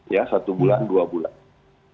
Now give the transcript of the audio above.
ya satu bulan dua bulan